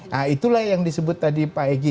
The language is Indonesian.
nah itulah yang disebut tadi pak egy